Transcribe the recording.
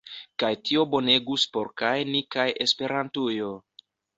Kaj tio bonegus por kaj ni kaj Esperantujo.